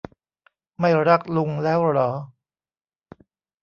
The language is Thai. ไม่รักลุงแล้วหรอ